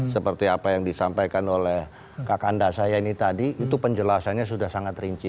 seperti apa yang disampaikan oleh kakak anda saya ini tadi itu penjelasannya sudah sangat rinci